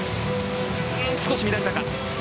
少し乱れたか。